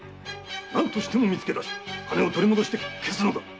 何としても見つけだし金を取り戻して消すのだ！